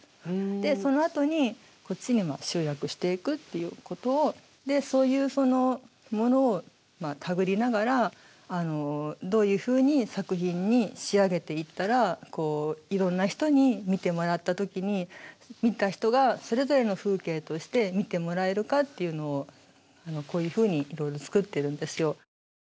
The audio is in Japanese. でそのあとにこっちにも集約していくっていうことをそういうものをたぐりながらどういうふうに作品に仕上げていったらいろんな人に見てもらった時に見た人がそれぞれの風景として見てもらえるかっていうのをこういうふうにいろいろ作ってるんですよ。